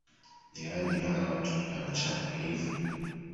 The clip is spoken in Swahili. Yaani hawa watu tunawachapa hivi